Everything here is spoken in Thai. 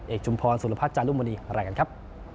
เอกจุมพรสุรพัฒน์จานลุ้มวันนี้หลายการครับ